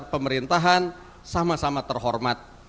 pemerintahan sama sama terhormat